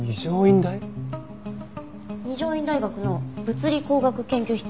二条院大学の物理工学研究室。